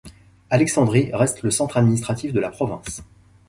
Alexandrie reste le centre administratif de la province.